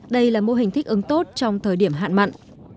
đây là mô hình thích ứng tốt trong thời điểm hạn mặn